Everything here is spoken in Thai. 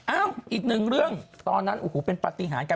อ้าวอีกหนึ่งเรื่องตอนนั้นเป็นปฏิหารกัน